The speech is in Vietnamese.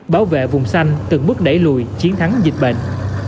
bảo vệ vùng xanh từng bước đẩy lùi chiến thắng dịch bệnh